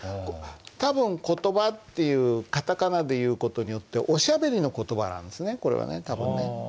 多分「コトバ」っていうカタカナで言うことによっておしゃべりの言葉なんですねこれはね多分ね。